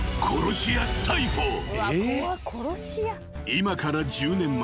［今から１０年前］